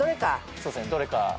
そうっすねどれか。